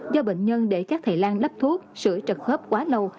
do bệnh nhân để các thầy lan lắp thuốc sửa trật khớp quá lâu